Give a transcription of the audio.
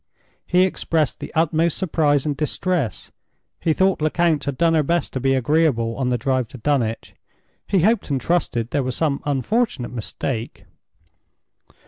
He expressed the utmost surprise and distress—he thought Lecount had done her best to be agreeable on the drive to Dunwich—he hoped and trusted there was some unfortunate mistake.